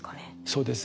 そうです。